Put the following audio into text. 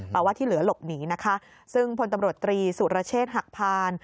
แต่ว่าที่เหลือหลบหนีนะคะซึ่งพลตำรวจตรีสุรเชษฐ์หักพาน